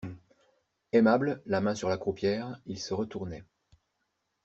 Aimable, la main sur la croupière, il se retournait.